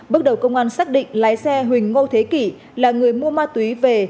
bước đầu công an xác định lái xe huỳnh ngô thế kỷ là người mua ma túy về